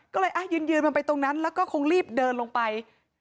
ก็เลยยืนมันไปตรงนั้นแล้วก็คงรีบเดินลงไป